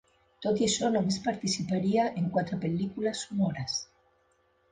Tot i això, només participaria en quatre pel·lícules sonores.